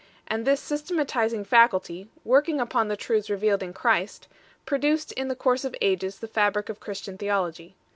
And this systema tizing faculty, working upon the truths revealed in Christ, produced in the course of ages the fabric of Christian theology.